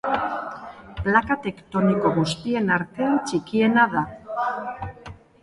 Plaka tektoniko guztien artean txikiena da.